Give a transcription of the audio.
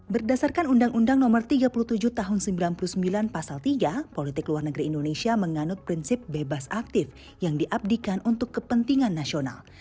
berdasarkan undang undang no tiga puluh tujuh tahun seribu sembilan ratus sembilan puluh sembilan pasal tiga politik luar negeri indonesia menganut prinsip bebas aktif yang diabdikan untuk kepentingan nasional